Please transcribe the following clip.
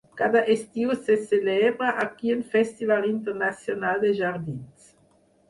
Cada estiu se celebra aquí un festival internacional de jardins.